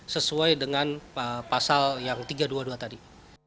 sesuai dengan pasal yang tiga ratus dua puluh dua tadi